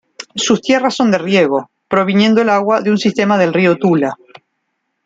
Sus tierras son de riego, proviniendo el agua de un sistema del río Tula.